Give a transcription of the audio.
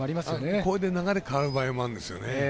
これで流れが変わる場合もあるんですよね。